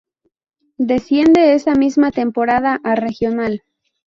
Desciende esa misma temporada a regional.